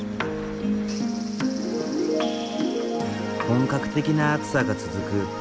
本格的な暑さが続く